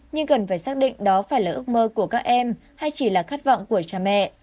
nhưng cần phải xác định đó phải là ước mơ của các em hay chỉ là khát vọng của cha mẹ